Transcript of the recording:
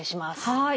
はい。